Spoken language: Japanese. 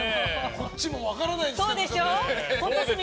こっちも分からないんですよ。